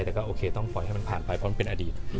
แต่ก็โอเคต้องปล่อยให้มันผ่านไปเพราะมันเป็นอดีต